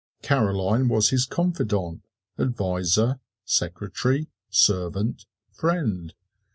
Caroline was his confidante, adviser, secretary, servant, friend.